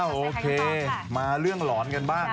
โอเคมาเรื่องหลอนกันบ้าง